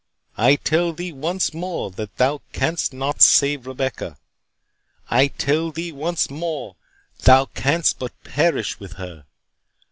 I tell thee once more, that thou canst not save Rebecca. I tell thee once more, thou canst but perish with her.